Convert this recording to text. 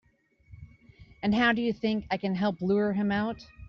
And how do you think I can help lure him out?